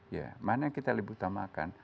ya mana yang kita lebih utamakan